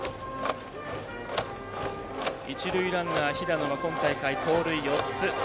一塁ランナー、平野の今大会、盗塁４つ。